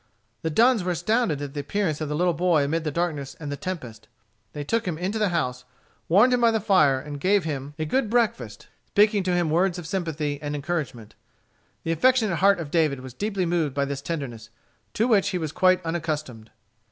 The Dunns were astounded at the appearance of the little boy amid the darkness and the tempest. They took him into the house, warmed him by the fire, and gave him a good breakfast, speaking to him words of sympathy and encouragement. The affectionate heart of David was deeply moved by this tenderness, to which he was quite unaccustomed.